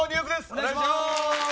お願いします。